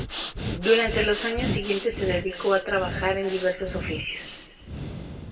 Durante los años siguientes se dedicó a trabajar en diversos oficios.